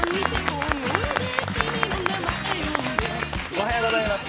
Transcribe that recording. おはようございます。